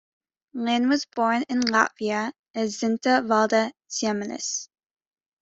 Lynn was born in Latvia as Zinta Valda Ziemelis.